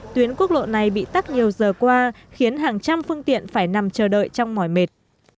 tuyến quốc lộ này bị tắt nhiều giờ qua khiến hàng trăm phương tiện phải nằm chờ đợi trong mỏi mệt